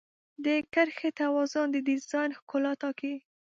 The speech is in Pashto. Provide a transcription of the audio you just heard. د کرښې توازن د ډیزاین ښکلا ټاکي.